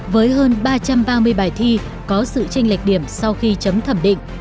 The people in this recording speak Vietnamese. với hơn ba trăm ba mươi bài thi có sự tranh lệch điểm sau khi chấm thẩm định